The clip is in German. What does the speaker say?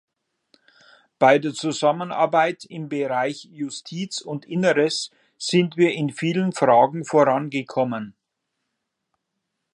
Bei der Zusammenarbeit im Bereich Justiz und Inneres sind wir in vielen Fragen vorangekommen.